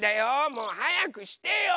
もうはやくしてよ。